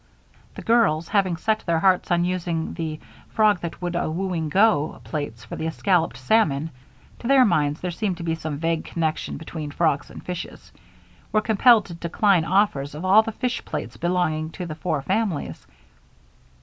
The girls, having set their hearts on using the "Frog that would a wooing go" plates for the escalloped salmon (to their minds there seemed to be some vague connection between frogs and fishes), were compelled to decline offers of all the fish plates belonging to the four families.